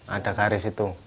ada garis itu